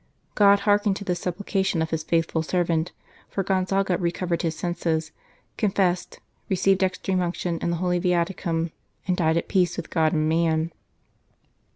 God hearkened to the supplication of His faithful ser vant, for Gonzaga recovered his senses, confessed, received Extreme Unction and the Holy Viaticum, and died at peace with God and man.